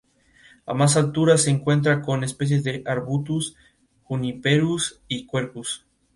A más altura se encuentra con especies de "Arbutus", "Juniperus" y "Quercus".